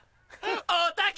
おたけ！